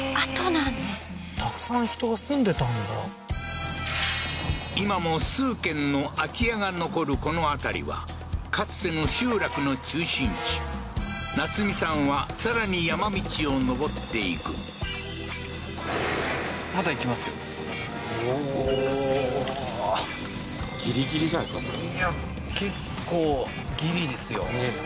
たくさん人が住んでたんだ今も数軒の空き家が残るこの辺りはかつての集落の中心地なつみさんはさらに山道を上っていくうーんん？